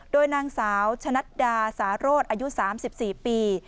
โดยนางสาวชะนัดดาสารโรธอายุ๓๔ปี